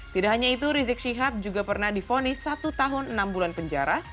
tidak hanya itu rizik syihab juga pernah difonis satu tahun enam bulan penjara